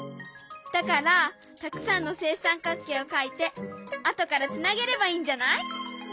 だからたくさんの正三角形を描いて後からつなげればいいんじゃない？